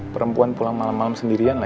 perempuan pulang malem malem sendirian ya